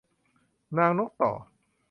นางนกต่อ